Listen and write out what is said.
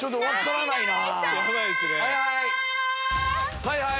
はいはい！